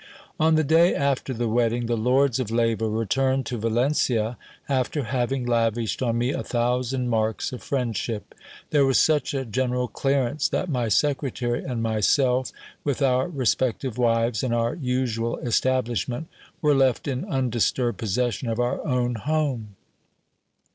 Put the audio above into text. On the day after the wedding the lords of Leyva returned to Valencia, after having lavished on me a thousand marks of friendship. There was such a general clearance, that my secretary and myself, with our respective wives, and our usual establishment, were left in undisturbed possession of our own home.